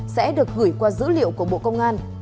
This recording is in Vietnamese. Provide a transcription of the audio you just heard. sẽ được gửi qua dữ liệu của bộ công an